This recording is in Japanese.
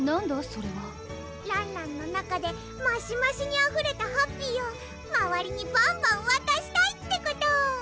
それはらんらんの中でマシマシにあふれたハッピーをまわりにばんばんわたしたいってこと！